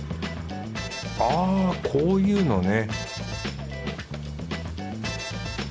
あこういうのね